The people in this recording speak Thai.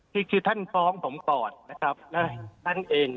ที่ท่านฟ้องผมตอนนะครับแล้วท่านเอง